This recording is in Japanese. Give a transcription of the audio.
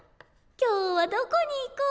今日はどこに行こう。